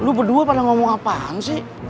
lu berdua pada ngomong apaan sih